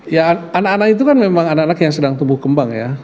ya anak anak itu kan memang anak anak yang sedang tumbuh kembang ya